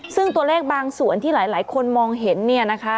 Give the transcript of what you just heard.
ซึ่งตัวเลขบางส่วนที่หลายคนมองเห็นเนี่ยนะคะ